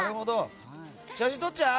写真撮っちゃう？